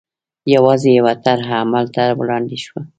یوازې یوه طرحه عمل ته وړاندې شوه.